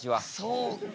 そうか。